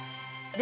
で